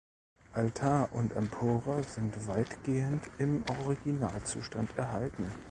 Altar und Empore sind weitgehend im Originalzustand erhalten.